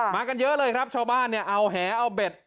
มากันเยอะเลยครับชาวบ้านเอาแฮเอาเบ็ด